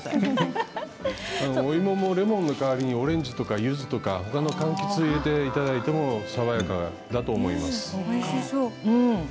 お芋もレモンの代わりにオレンジとかゆずとか他のかんきつを入れていただいても爽やかだと思います。